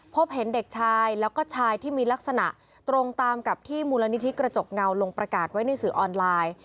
พบเห็นเด็กชายแล้วก็ชายที่มีลักษณะตรงตามกับที่มูลนิธิกระจกเงาลงประกาศไว้ในสื่อออนไลน์